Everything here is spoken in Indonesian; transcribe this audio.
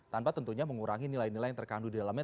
tanpa tentunya mengurangi nilai nilai yang terkandung di dalamnya